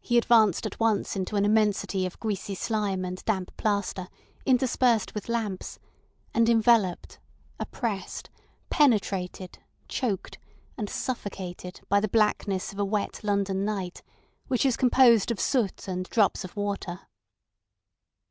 He advanced at once into an immensity of greasy slime and damp plaster interspersed with lamps, and enveloped, oppressed, penetrated, choked, and suffocated by the blackness of a wet London night, which is composed of soot and drops of water.